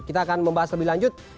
kita akan membahas lebih lanjut